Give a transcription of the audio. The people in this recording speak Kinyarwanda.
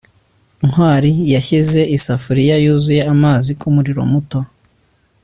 ntwali yashyize isafuriya yuzuye amazi kumuriro muto